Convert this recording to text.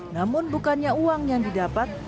namun bukannya uang yang didapat